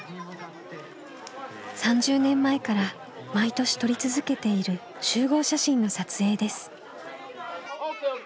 ３０年前から毎年撮り続けている集合写真の撮影です。